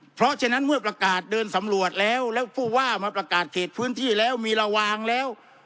เพราะฉะนั้นเมื่อประกาศเดินสำรวจแล้วแล้วผู้ว่ามาประกาศเขตพื้นที่แล้วมีระวางแล้ว